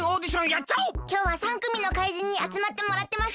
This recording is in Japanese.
きょうは３くみの怪人にあつまってもらってます。